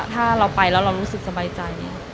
ถ้าเราไปแล้วเรารู้สึกสบายใจ